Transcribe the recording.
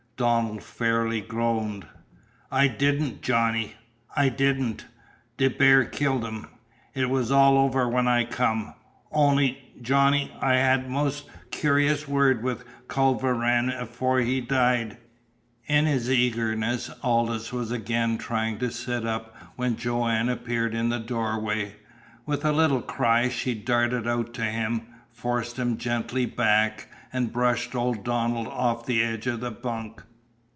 Donald fairly groaned. "I didn't, Johnny I didn't! DeBar killed 'im. It was all over when I come. On'y Johnny I had a most cur'ous word with Culver Rann afore he died!" In his eagerness Aldous was again trying to sit up when Joanne appeared in the doorway. With a little cry she darted to him, forced him gently back, and brushed old Donald off the edge of the bunk.